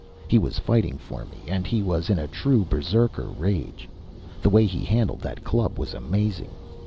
He was fighting for me, and he was in a true Berserker rage. The way he handled that club was amazing.